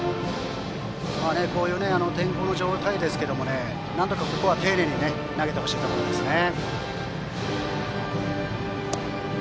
こういう天候の状態ですがなんとか丁寧に投げてほしいですね。